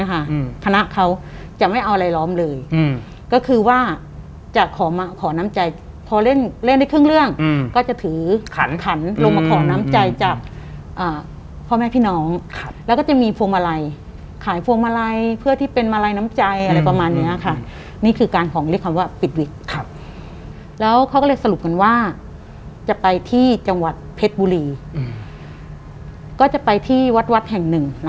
คณะเขาจะไม่เอาอะไรล้อมเลยอืมก็คือว่าจะขอมาขอน้ำใจพอเล่นเล่นได้ครึ่งเรื่องอืมก็จะถือขันขันลงมาขอน้ำใจจากพ่อแม่พี่น้องครับแล้วก็จะมีพวงมาลัยขายพวงมาลัยเพื่อที่เป็นมาลัยน้ำใจอะไรประมาณเนี้ยค่ะนี่คือการของเรียกคำว่าปิดวิกครับแล้วเขาก็เลยสรุปกันว่าจะไปที่จังหวัดเพชรบุรีอืมก็จะไปที่วัดวัดแห่งหนึ่ง